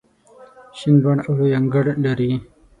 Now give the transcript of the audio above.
شین بڼ او لوی انګړ لري.